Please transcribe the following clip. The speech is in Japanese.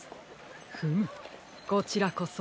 フムこちらこそ。